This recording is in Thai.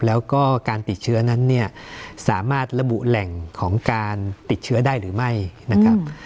แล้วก็การติดเชื้อนั้นเนี่ยสามารถระบุแหล่งของการติดเชื้อได้หรือไม่นะครับ